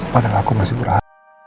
padahal aku masih berasa